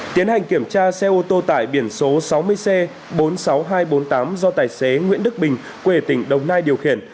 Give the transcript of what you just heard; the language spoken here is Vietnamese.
tiến hành kiểm tra xe ô tô tải biển số sáu mươi c bốn mươi sáu nghìn hai trăm bốn mươi tám do tài xế nguyễn đức bình quê tỉnh đồng nai điều khiển